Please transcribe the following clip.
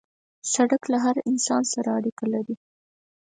سړک له هر انسان سره اړیکه لري.